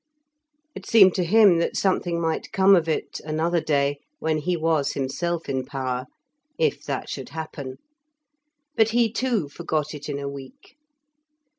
It seemed to him that something might come of it, another day, when he was himself in power if that should happen. But he, too, forgot it in a week.